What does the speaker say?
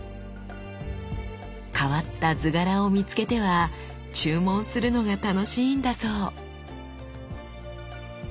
変わった図柄を見つけては注文するのが楽しいんだそう！